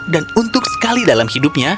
dan untuk sekali dalam hidupnya